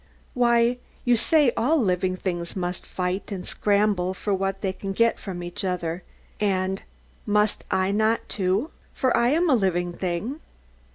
Why, you say all living things must fight and scramble for what they can get from each other: and must not I too? For I am a living thing.